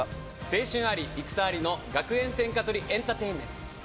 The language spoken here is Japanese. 青春あり戦ありの学園天下獲りエンターテインメント。